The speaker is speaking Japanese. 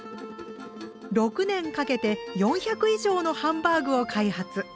６年かけて４００以上のハンバーグを開発。